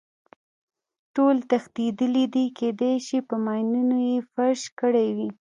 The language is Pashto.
ټول تښتېدلي دي، کېدای شي په ماینونو یې فرش کړی وي.